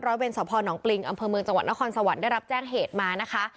เวรสพนปริงอำเภอเมืองจังหวัดนครสวรรค์ได้รับแจ้งเหตุมานะคะ